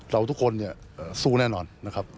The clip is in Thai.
เราทุกคนเนี่ยสู้แน่นอนนะครับ